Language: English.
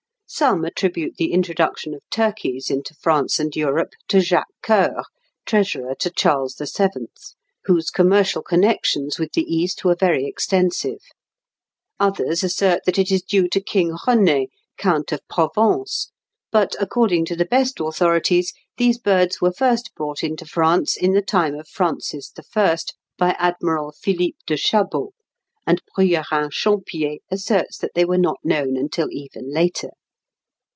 Some attribute the introduction of turkeys into France and Europe to Jacques Coeur, treasurer to Charles VII., whose commercial connections with the East were very extensive; others assert that it is due to King René, Count of Provence; but according to the best authorities these birds were first brought into France in the time of Francis I. by Admiral Philippe de Chabot, and Bruyérin Champier asserts that they were not known until even later.